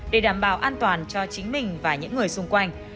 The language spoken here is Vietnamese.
để đảm bảo an toàn cho chính mình và những người xung quanh